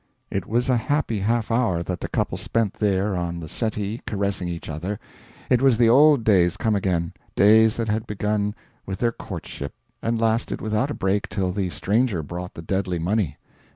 It was a happy half hour that the couple spent there on the settee caressing each other; it was the old days come again days that had begun with their courtship and lasted without a break till the stranger brought the deadly money.